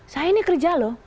saya ini kerja loh